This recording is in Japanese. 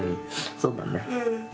そうだね。